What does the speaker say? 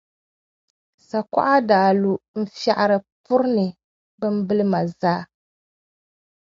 sakuɣa daa lu n-fiɛri puri ni bimbilima zaa.